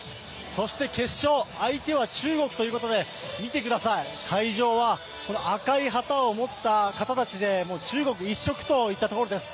そして決勝、相手は中国ということで、見てください、会場は赤い旗を持った方たちで中国一色といったところです。